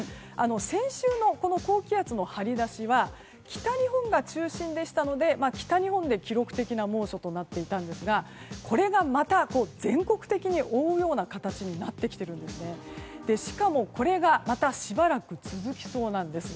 先週の高気圧の張り出しは北日本が中心でしたので北日本で記録的な猛暑となっていたんですがこれがまた全国的に覆うような形いなってきているのでしかもこれがまたしばらく続きそうなんです。